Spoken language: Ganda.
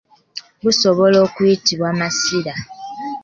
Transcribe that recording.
Gusobola okuyitibwa masiira.